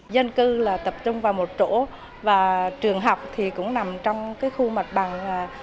dân cư tập trung vào một chỗ trường học cũng nằm trong khu mặt bằng